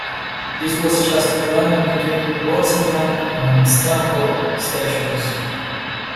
This was just running between Wolsingham and Stanhope Stations.